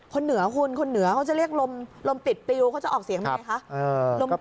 เหนือคุณคนเหนือเขาจะเรียกลมติดปิวเขาจะออกเสียงยังไงคะ